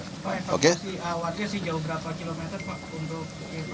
pak evakuasi awalnya sih jauh berapa kilometer pak